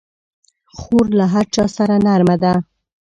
خور له هر چا سره نرمه ده.